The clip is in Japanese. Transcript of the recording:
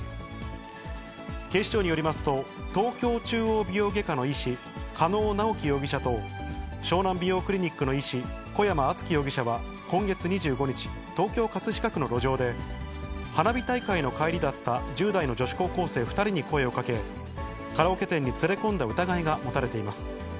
警視庁によりますと、東京中央美容外科の医師、加納直樹容疑者と、湘南美容クリニックの医師、小山忠宣容疑者は今月２５日、東京・葛飾区の路上で、花火大会の帰りだった１０代の女子高校生２人に声をかけ、カラオケ店に連れ込んだ疑いが持たれています。